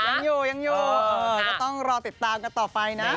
ยังอยู่ก็ต้องรอติดตามกันต่อไปนะ